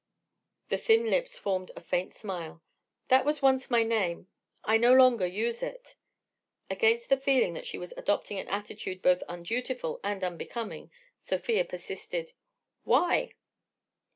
The thin lips formed a faint smile. "That was once my name. I no longer use it." Against a feeling that she was adopting an attitude both undutiful and unbecoming, Sofia persisted. "Why?"